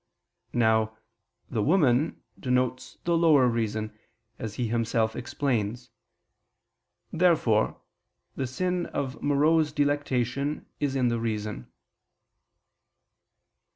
Now "the woman" denotes the lower reason, as he himself explains (De Trin. xii, 12). Therefore the sin of morose delectation is in the reason.